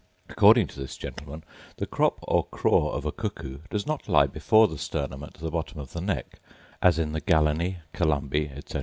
According to this gentleman, the crop or craw of a cuckoo does not lie before the sternum at the bottom of the neck, as in the gallinae columbae, etc.